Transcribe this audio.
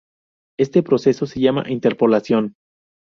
Este proceso se llama interpolación.